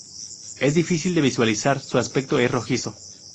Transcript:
Es difícil de visualizar, su aspecto es rojizo.